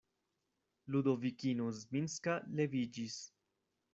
Ludovikino Zminska leviĝis.